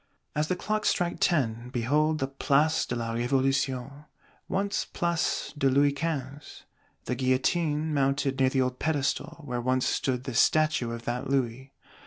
As the clocks strike ten, behold the Place de la Révolution, once Place de Louis Quinze: the Guillotine, mounted near the old Pedestal where once stood the Statue of that Louis!